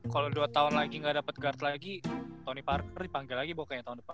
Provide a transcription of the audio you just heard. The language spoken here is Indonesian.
kalau dua tahun lagi nggak dapat guard lagi tony parkir dipanggil lagi pokoknya tahun depan